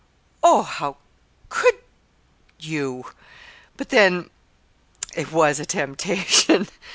"Oh, how could you? But then it was a temptation!"